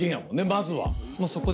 まずは。